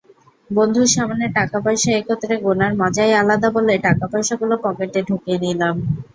বন্ধুর সামনে টাকাপয়সা একত্রে গোনার মজাই আলাদা বলে টাকাপয়সাগুলো পকেটে ঢুকিয়ে নিলাম।